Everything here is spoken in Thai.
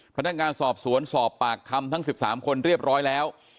พนักงานสอบสวนสอบปากคำทั้ง๑๓คนเรียบร้อยแล้ว